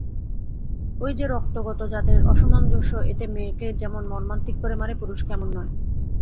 এই যে রক্তগত জাতের অসামঞ্জস্য এতে মেয়েকে যেমন মর্মান্তিক করে মারে পুরুষকে এমন নয়।